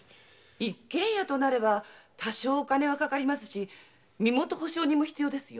一軒家となれば多少お金はかかりますし身元保証人も必要ですよ。